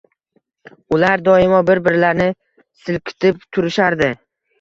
Ular doimo bir -birlarini silkitib turishardi